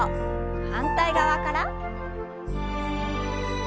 反対側から。